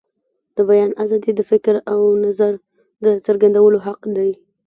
د بیان آزادي د فکر او نظر د څرګندولو حق دی.